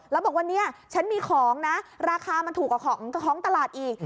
แล้วบอกว่าเนี่ยฉันมีของนะราคามันถูกกว่าของตลาดอีก